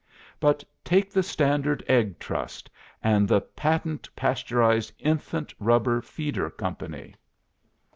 But take the Standard Egg Trust, and the Patent Pasteurised Infant Rubber Feeder Company.